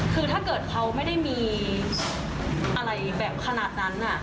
คือถ้าเกิดเขาไม่ได้มีอะไรแบบขนาดนั้น